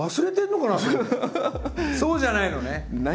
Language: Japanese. そうじゃないのね。